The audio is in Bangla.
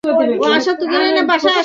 এটা কি ডিভিয়েন্ট?